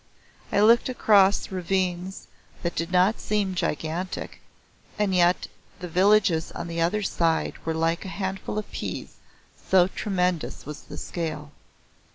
I looked across ravines that did not seem gigantic and yet the villages on the other side were like a handful of peas, so tremendous was the scale.